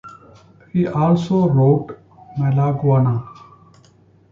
He also wrote Malaguena.